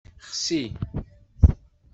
Xsi.